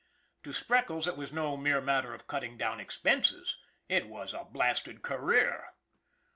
To Speckles it was no mere matter of cutting down expenses. It was a blasted career